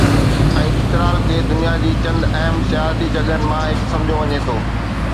۽ چترال کي دنيا جي چند اهم سياحتي جڳهن مان هڪ سمجهيو وڃي ٿو.